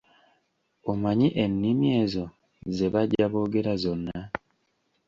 Omanyi ennimi ezo ze bajja boogera zonna?